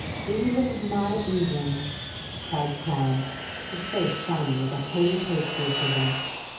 "England, my England!" cried Clarence, his face shining with a holy patriotism.